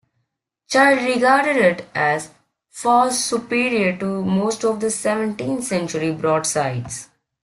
Child regarded it as "far superior to most of the seventeenth-century broadsides".